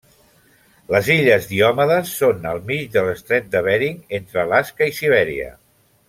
Les illes Diomedes són al mig de l'estret de Bering, entre Alaska i Sibèria.